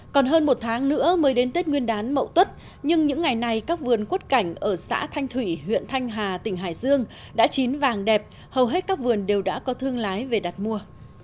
còn hơn một tháng nữa mới đến tết nguyên đán mậu tuất nhưng những ngày này các vườn quất cảnh ở xã thanh thủy huyện thanh hà tỉnh hải dương đã chín vàng đẹp hầu hết các vườn đều đã có thương lái về đặt mua